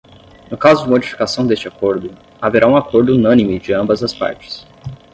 No caso de modificação deste acordo, haverá um acordo unânime de ambas as partes.